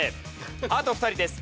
あと２人です。